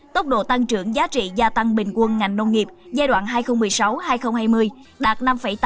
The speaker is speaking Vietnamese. tốc độ tăng trưởng giá trị gia tăng bình quân ngành nông nghiệp giai đoạn hai nghìn một mươi sáu hai nghìn hai mươi đạt năm tám mươi tám